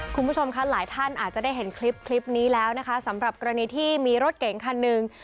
คุณผู้ชมค่ะหลายท่านอาจจะได้เห็นคลิปนี้แล้วนะคะสำหรับกรณีที่มีรถเก๋งคันหนึ่ง